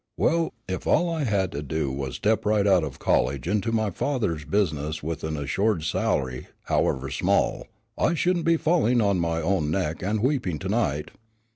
Well, if all I had to do was to step right out of college into my father's business with an assured salary, however small, I shouldn't be falling on my own neck and weeping to night.